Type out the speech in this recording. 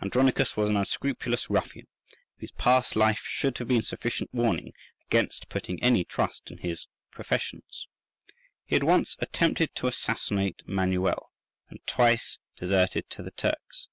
Andronicus was an unscrupulous ruffian, whose past life should have been sufficient warning against putting any trust in his professions. He had once attempted to assassinate Manuel, and twice deserted to the Turks.